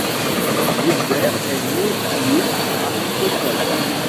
Wilder est née le à Stockholm.